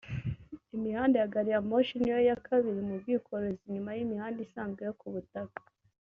Imihanda ya gari ya moshi ni yo ya kabiri mu bwikorezi nyuma y’imihanda isanzwe yo kubutaka